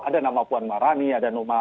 ada nama puan marani ada numa